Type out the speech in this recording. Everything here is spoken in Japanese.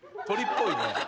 鳥っぽいね。